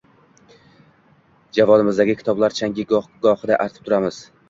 Javonimizdagi kitoblar changini goh-gohida artib turamiz.